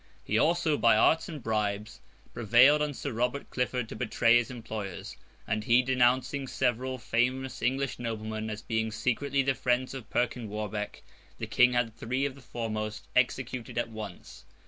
He also, by arts and bribes, prevailed on Sir Robert Clifford to betray his employers; and he denouncing several famous English noblemen as being secretly the friends of Perkin Warbeck, the King had three of the foremost executed at once.